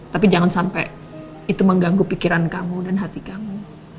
tapi jangan sampai itu mengganggu pikiran kamu dan hati kamu